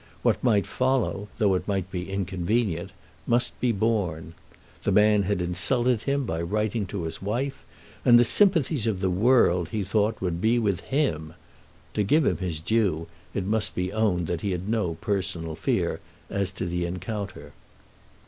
What might follow, though it might be inconvenient, must be borne. The man had insulted him by writing to his wife, and the sympathies of the world, he thought, would be with him. To give him his due, it must be owned that he had no personal fear as to the encounter.